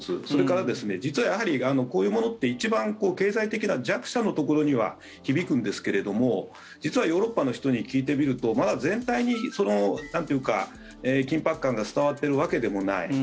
それから、実はやはりこういうものって一番経済的な弱者のところには響くんですけれども実はヨーロッパの人に聞いてみるとまだ全体に緊迫感が伝わってるわけでもない。